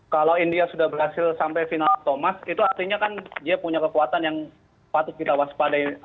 kalau india sudah berhasil sampai final thomas itu artinya kan dia punya kekuatan yang patut kita waspadai